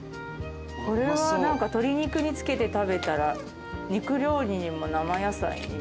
これは鶏肉につけて食べたら肉料理にも生野菜にも。